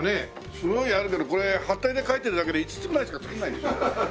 すごいあるけどこれハッタリで書いてるだけで５つぐらいしか作らないんでしょ？